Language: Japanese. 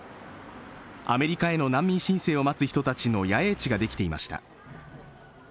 アメリカへの難民申請を待つ人たちの野営地ができていました